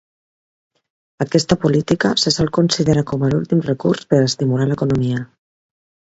Aquesta política se sol considerar com a l'últim recurs per estimular l'economia.